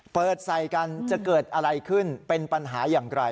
เปิดใส่กันจะเกิดอะไรขึ้นเป็นปัญหาอย่างไร